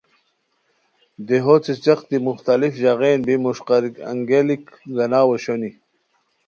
دیہو څیڅیق دی مختلف ژاغین بی مݰقاری انگیالیک گاناؤ اوشونی